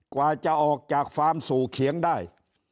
กว่าจะออกจากฟาร์มสู่เขียงได้